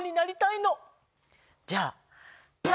じゃあ。